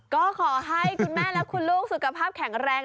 ก็ขอให้คุณแม่และคุณลูกสุขภาพแข็งแรง